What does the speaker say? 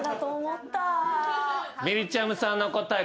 みりちゃむさんの答え